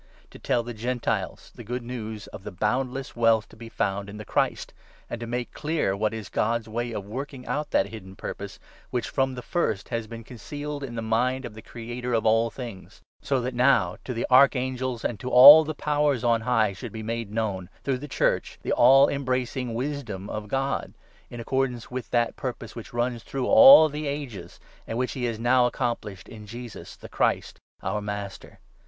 — to tell the Gentiles the Good News of the boundless wealth to be found in the Christ, and to make clear what is God's way of working out that hidden purpose which from the first has been concealed in the mind of the Creator of all things ; so that now to the Archangels and to all the Powers made ifnown on high should be made known, through the to the Church, the all embracing wisdom of God, in "power!* accordance with that purpose which runs through through the all the ages and which he has now accomplished church. jn Jesus, the Christ, our Master.